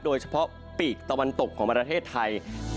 โดยเฉพาะปีกตะวันตกของประเทศไทย